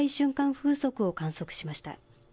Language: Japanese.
風速を観測しました。